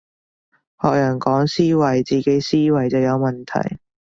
學人講思維，自己思維就有問題